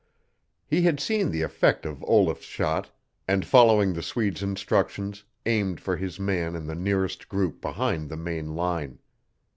He had seen the effect of Olaf's shot, and following the Swede's instructions aimed for his man in the nearest group behind the main line.